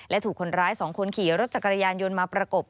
และถูกคนร้าย๒คนขี่รถจักรยานยนต์มาประกบ